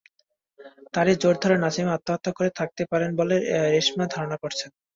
তারই জের ধরে নাসিমা আত্মহত্যা করে থাকতে পারেন বলে রেশমা ধারণা করছেন।